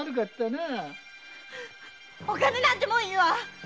お金なんてもういいわ。